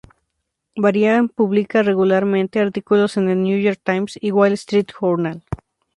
Varian publica regularmente artículos en el New York Times y Wall Street Journal.